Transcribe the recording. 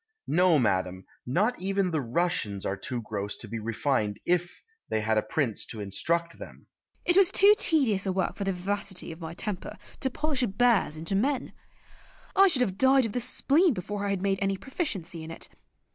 No, madam, not even the Russians are too gross to be refined if they had a prince to instruct them. Christina. It was too tedious a work for the vivacity of my temper to polish bears into men. I should have died of the spleen before I had made any proficiency in it.